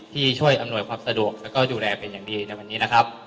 ที่ช่วยอำนวยความสะดวกแล้วก็ดูแลเป็นอย่างดีในวันนี้นะครับ